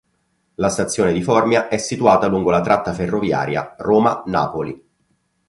La stazione di Formia è situata lungo la tratta ferroviaria Roma-Napoli.